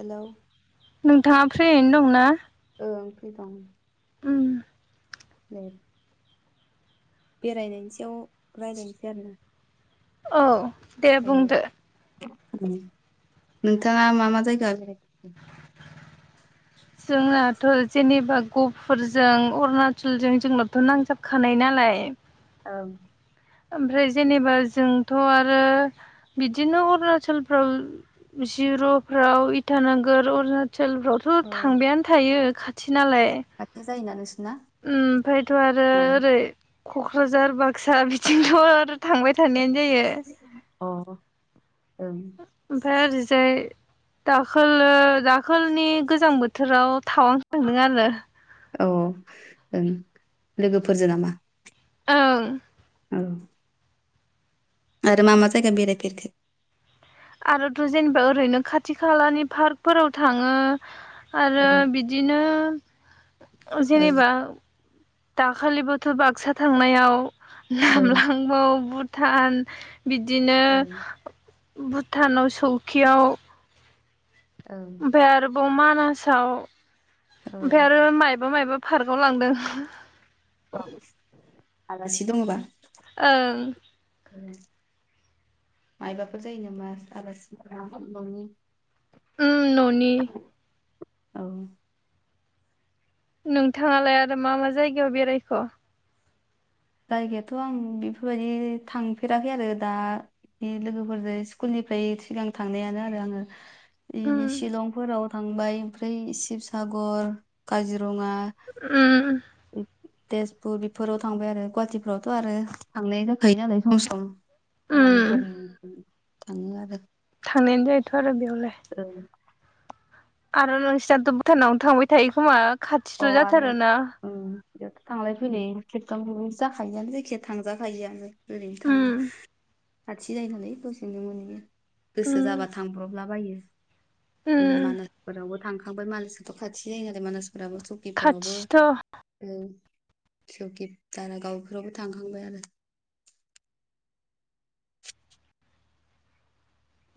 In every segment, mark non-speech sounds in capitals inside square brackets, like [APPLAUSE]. Hello नोंथाङा फ्रियैनो दंना? ओं फ्रि दं ओम दे बेरायनायनि सायाव रायलायनोसै आरो ना औ दे बुंदो ना नोंथाङा मा मा जायगा [UNINTELLIGIBLE] [INAUDIBLE] जोंनाथ' जेनेबा गफुरजों अरुणाचलजों जोंनाथ' नांजाबखानाय नालाय औ। ओमफ्राय जेनेबा जोंथ' आरो बिदिनो अरुणाचल जिर'फ्राव इटानगर अरुणाचलफ्राव थ' औ थांबायानो थायो खाथि नालाय खाथि जायोना नोंसोरना उम ओमफ्रायथ' आरो ओरै क'क्राझार बाक्सा बिथिंथ' आरो थांबाय थानायानो जायो अ ओं ओ ओमफाय ओरैजाय दाखोलो दाखोलनि गोजां बोथोराव थावां थांदों आरो औ ओं लोगोफोरजो नामा? ओं ओ आरो मा मा जायगा बेरायफेरखो? आरोथ' जेनेबा ओरैनो खाथि खालानि फार्कफोराव थाङो औ आरो बिद दिनो ओ औ जेनेबा दाखालिबोथ' बाक्सा थांनायाव औ नामलांबाव भुटान बिदिनो भुटानाव सौखियाव औ ओमफाय आरोबाव मानासाव औ ओमफाय आरो मायबा मायबा फार्कआव लांदों। ओस आलासि दङबा? ओं ओ मायबाफोर जायो नामास आलासि न' न'नि उम न'नि औ नोंथाङालाय आरो मा मा जायगायाव बेरायखो? जायगायाथ' आं बेफोरबायदि थांफेराखै आरो दा बे लोगोफोरजों स्कुलनिफ्राय सिगां थांनायानो आरो आङो। इनि उम शिलंफोराव थांबाय ओमफ्राय शिबसागर काजिरङा उम ओइद तेजपुर बेफोराव थांबाय आरो गुवाहाटिफ्रावथ' आरो थांलाय जाखायो नालाय सम सम उम खामानिफोरनि उम थाङो आरो थांनायानो जायैथ' आरो बेयावलाय ओ आरो नोंसिनाथ' भुटानावनो थांबाय थायो खोमा खाथिथ' अ आरो जाथारोना उम बेयावथ' थांलाय फैलाय खेबथाम जाखायोआनो जायखियाया थांजाखायोआनो ओरैनो थां उम खाथि जायो नालाय दसेजों मोनैयो उम गोसो जाबा थां ब्रबलाबायो उम मानासफोरावबो थांखांबाय मानसखोथ' खाथि जायो नालाय मानास फोराबो सकिफोरावबो खाथिथ' औ सौकि दारागाव फ्रावबो थांखांबाय आरो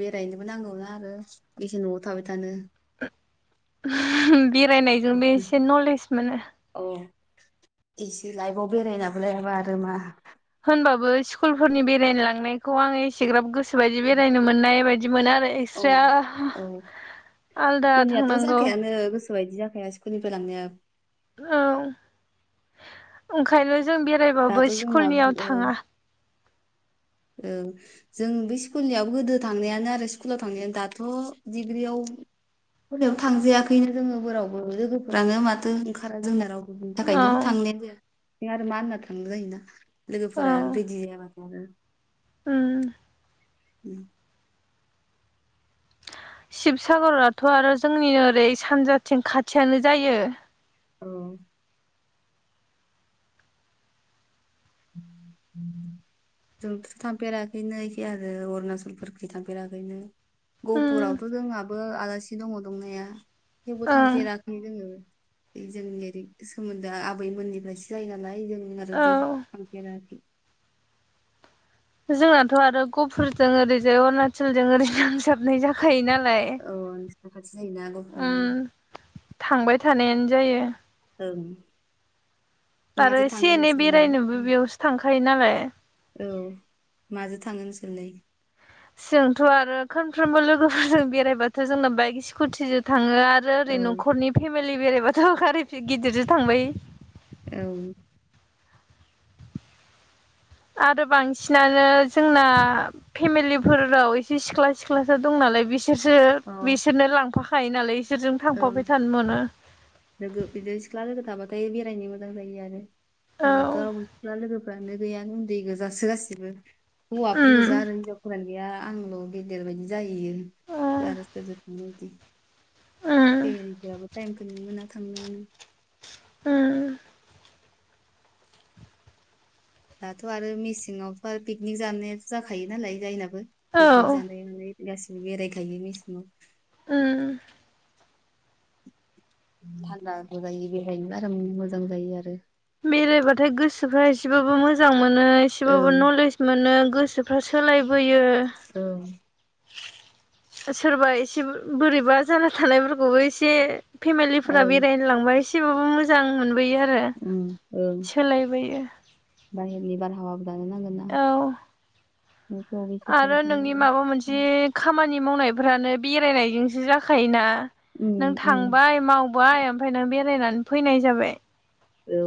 बेरायनोबो नांगौ ना आरो बेसे न'आव थाबाय थानो ओ बेरायनायजोंबो एसे नलेज मोनो। अ एसे लाइफआव बेरायनाबोलाय मा आरो मा होनबाबो स्कुलफोरनि बेरायनो लांनायखौ आङो एसेग्राब गोसो बायदि बेरायनो मोननाय बायद दि मोना आरो इ औ औ आलदा खुनियाथ' थांनांगौ जाखायानो गोस सो बायदि जाखाया स्कुलनिफ्राय लांनाया औ ओंखायनो जों दाथ' बेरायबाबो जोंना स्कुलनियाव औ थाङा। औ जों बे स्कुलनियाव गोदो थांनायानो आरो स्कुलाव थांनायानो दाथ' डिग्रियाव फोरनियाव थांजायाखैनो जोङो बोरावबो लोगोफोरानो माथो ओंखारा जोंना राव ओ बेनि औ थाखायनो थांनायानो जाया बे आरो मा होनना थांनो जायोना औ लोगोफोरा रेडि जायाबा नंगो उम उम शिबसागराथ' आरो जोंनि ओरै सानजाथिं खाथियानो जायो। औ [INAUDIBLE] जोंथ थांफेराखैनो एखे आरो अरुणाचलफोरखि थांफेराखैनो उम गहपुरावथ' जोङाबो आलासि दङ दंनाया थेवबो ओं थांफेरा जोङो बे जोंनि ओरै सोमोन्दोआ आबैमोननिफ्रायसो जायो नालाय जों आरो औ बे थांफेराखै जोंनाथ' आरो गफुरजों ओरैजाय अरणाचलजों ओरै नांजाबनाय जाखायो नालाय औ नोंसिना खाथि जायोना गफुरा उम थांबाय थानायानो जायो औ आरो एसे एनै नोंसोरलाय बेरायनोबो बेयावसो थांखायो नालाय औ माजों थाङो नोंसोरलाय जोंथ' आरो खनफ्रोमबो लोगोफोरजों बेरायबाथ' जोंना बाइक स्कुथिजो थाङो आर आरो ओरै ओं न'खरनि फेमिलि बेरायबाथ' गारि गिदिरजों थांबाय औ आरो बांसिनानो जोंना फेमिलिफोराव एसे सिख्ला सिख्लासो दं नालाय बिसि बिसोरसो बिसोरनो लांफाखायो नालाय इसोरजों ओं थांफाबाय थानो मोनो लोगो बिदिनो सिख्ला लोगो थाबाथाय बेरायनो मोजां जायो आरो जोंहाथ' औ रावबो लोगोफ्रानो गैयानो उन्दै गोजासो गासिबो हौवाफोर उम गोजा आरो हिनजाव लोगोयानो गैया आंल' गेदेर बायदि जाहैयो आरो सोरजों थाङो बिदि उम जेरैबाबो टाइमखौनो मोना थांनोनो ओम दाथ' आरो मेसेङावथ' आरो पिकनिक जानायाथ' जाखायो नालाय जायनाबो पिकनिक औ जानाय मानाय गासिबो बेरायखायो मेसेंङाव ओम थान्दाबो जायो बेहायनो आराम मोजां जायो आरो बेरायबाथाय गोसोफ्रा एसेबाबो मोजां मोनो एसेबाबो ओं नलेज मोनो गोसो फ्रा सोलायबोयो ओं सोरबा एसे बोरैबा जाना थानायफोरखौबो एसे फेमिलिफोरा ओं बेरायनो लांबा एसेबाबो मोजां मोनबोयो आरो ओम ओं सोलायबोयो बाहेरनि बारहावाबो जानो नांगोन ना औ [UNINTELLIGIBLE] आरो थानो नोंनि हानो माबा मोनसे खामानि मावनायफ्रानो बेरायनायजोंसो जाखायोना नों उम उम थांबाय माव बाय ओमफ्राय नों बेरायनानै फैनाय जाबाय औ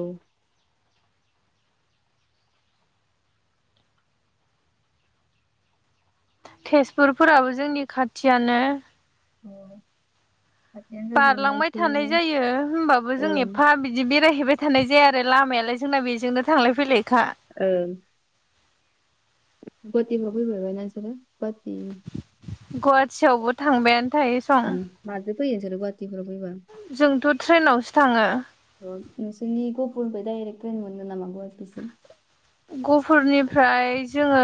तेजपुरफोराबो जोंनि खाथियानो औ। बारलांबाय थानाय आरो जायो होमबाबो जों एफा बिदि बेरायहैबाय थानाय जाया आरो लामायालाय जोंना बेजोंनो थांलाय फैलायखा ओ गुवाटिफोराव फैफैरबायना नोंसोरो गुवाटि गुवाहाटियावबो थांबायानो थायो सं ओम माजो फैयो नोंसोरो गुवाटिफोराव फैबा जोंथ' ट्रेनावसो थाङो औ नोंसोरनि गहपुरनिफ्राय डाइरेक्ट ट्रेन मोनो नामा गुवाहाटिसिम गफुरनिफ्राय जोङो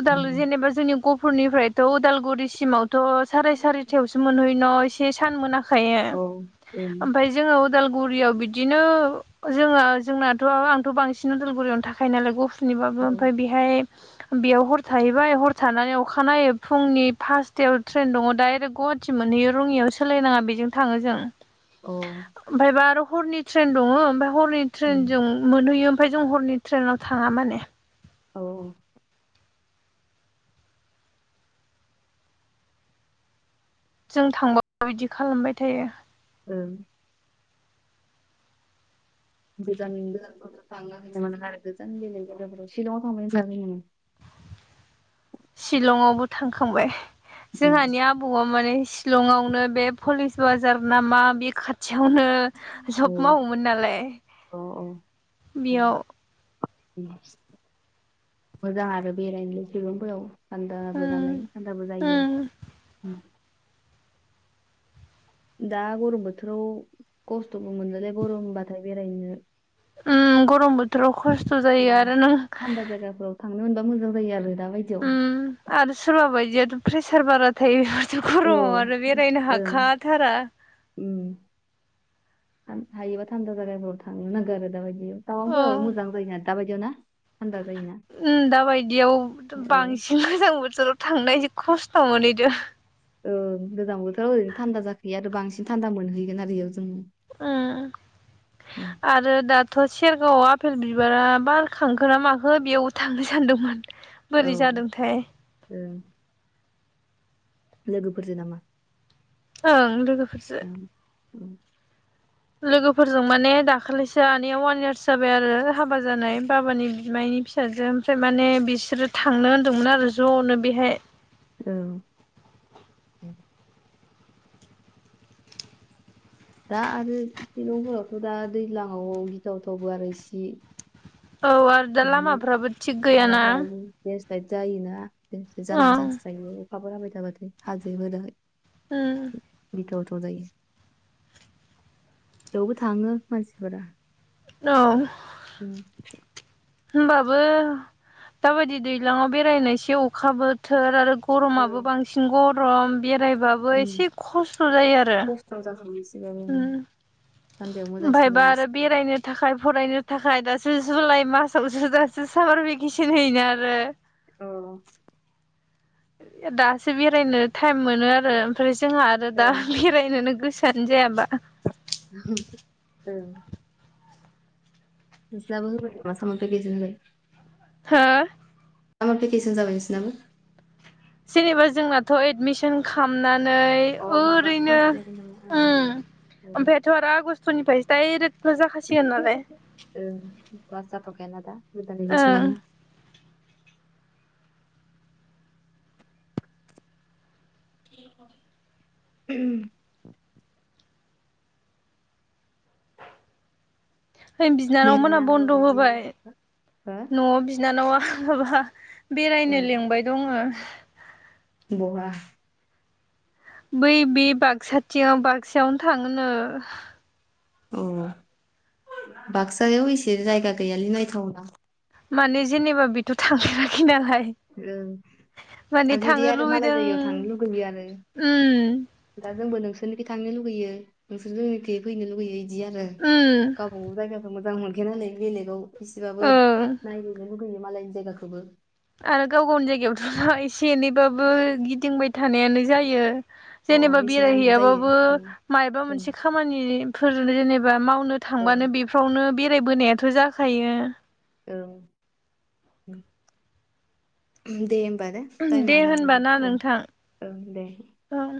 उदाल जेनेबा जोंनि गफुरनिफ्रायथ' उदालगुरिसिम सिमावथ' साराय सारिथायावसो मोनहै न इसे सान मोनाखायो औ ओमफाय जोङो उदा उदालगुरियाव बिदिनो जोङो जोंनाथ' आंथ' बांसिन उदालगुरियावनो थाखायो नालाय ग बिनिबाबो ओं औ ओमफाय बेहाय बेयाव हर थाहैबाय हर थानानै अखानायै फुंनि फासथायाव ट्रेन दङ डाइरेक्ट गहाट थि मोनहैयो रङियाव सोलायनाङा बेजों थाङो जों अ ओमफ्रायबा आरो हरनि ट्रेन दङ ओमफ्राय हरनि उम ट्रेन जों मोनहैयो ओमफ्राय जों हरनि ट्रेनाव थाङा माने। औ औ जों थांबाबो बिदि खालामबाय थायो। ओं गोजान गोजान [UNINTELLIGIBLE] आरो गोजान बेलेग जायगाफोराव सिलंआव थांबायना थाआखै नोङो? सिलंआवबो थांखांबाय जोंहानिया आबौआ माने सिलंआवनो बे पलिस बाजार नामा बे खाथ थियावनो जब मावोमोन नालाय अ औ अ अ बेयाव [UNINTELLIGIBLE] मोजां आरो बेरायनो सिलंफोराव थान्दाबो उम नालाय थान्दाबो जायो। उम ओम दा गरम बोथोराव खस्थ'बो मोनोलै गरमबाथाय बेरायनो। ओम गरम बोथोराव खस्थ' जायो आरो नों थान्दा जायगाफोराव थांनो मोनबा मोजां जायो आरो दा बायदियाव उम आरो सोरबा बायदियाथ' प्रेसार बारा थायो बेफोरथ' औ गरमाव आरो बेरायनो ओं हाखाथारा। उम हा-हायोबा थानदा जागायफोराव थांनो नांगो आरो दाबायदि बे औ तावांफोरावबो मोजां जायगा दाबायदियाव ना थान्दा जायोना। ओम दाबायदियाव बांसिन गोजां बोथोराव थांनाय खस्थ' मोनहैदों। ओं गोजां बोथोराव ओरैनो थान्दा जाखोया आरो बांसिन थान्दा मोनहैगोन आरो एयाव जों। उम आरो दा थ' सेरगावआव आपेल बिबारा बारखांखोना माखो बेयाव थांनो सानदोंमोन। औ बोरै जादोंथाय ओं लोगोफोरजो नामा? ओं लोगोफोरजो। उम लोगोफोरजों माने दाखालैसो आनैया अवान इयार्स जाबाय आरो हाबा जानाय बाबानि बिमायनि फि साजोआ ओमफ्राय माने बिसोरो थांनो हन्दोंमोन आरो ज'नो बेहाय। औ ओम दा आरो इसे न'फोरावथ' दा दैज्लाङाव गिथावथावबो आरो इसे औ आरो दा लामाफ्राबो थिग गैयाना। देसलाइट जायोना देसलाइट औ जानायनि चान्स थायो अखाफोर हाबाय थाबाथाय हाजोफोराहाय। ओम गिथावथाव जायो बेयावबो थाङो मानसिफोरा। औ उम होनबाबो दाबायदि दैलाङाव बेरायनायसै अखा बोथोर आरो औ गरमाबो बांसिन गरम बेरायबाबो एसे खस्थ' जायो आरो गिथाव जाखायो इसेबाबो औ थान्दायाव मोजांसिन ओमफ्रायबा जायो आरो इसे। बेरायनो थाखाय फरायनो थाखाय दासो जुलाइ मासावसो दासो सामार भेकेसन होयोना आरो औ दासो बेरायनो थाइम मोनो आरो ओमफ्राय जोंहा आरो दा ओं बेराय नेनो गोसोयानो जाया दा। [UNINTELLIGIBLE] औ नोंस्राबो होबाय नामा सामार फेखेसन होबाय। हो? [UNINTELLIGIBLE] जेनेबा जोंनाथ' एडमिसन अ खालामामनानै माबा ओरैनो क्लास जायाखै नामा ओं ओम ओं ओमफ्रायथ' आरो आगस्ट'निफ्रायसो डायरेक्ट ओं क्लास जाथ'खाय ना दा गोदान एडमिसन ओं लानो [UNINTELLIGIBLE] ओइ बिनानाव मोना बेरायनांगौ बन्द' आरो बिदिनो होबाय हो न'आव बिनानावा माबा बेरायनो लिंबाय दङ बहा? बै बे बाक्साथियाव बाक्सायावनो थाङोनो अ बाक्सायाव एसे जायगा गैयालै नायथावना माने जेनेबा बेथ' थांफेराखै नालाय ओं माने थांनो थाफेरैआरो मालाय लुबैदों जायगायाव थांनो लुगैयो आरो। उम दा जोंबो नोंसोरनिखि थांनो लुगैयो नोंसोर जोंनिखि फैनो लुगैयो बिदि आरो उम गाव औ जायगाखौ मोजां मोनखाया नालाय बेलेगाव एसेबाबो ओं नायहैनो लुगैयो मालायनि जायगाखौबो आरो गाव गावनि जायगायावथ एसे एनैबाबो गिदिंबाय थानायानो जायो। अ जेनेबा बेसे नायनो जायो बेरायहैयाबाबो ओं मायबा ओं मोनसे खामानिफोर जेनेबा मावनो ओं थांबानो बे फ्रावनो बेरायबोनायाथ' जाखायो औ दे होमबा ना। टाइ मा जाबाय दे ओं ओं दे। ओं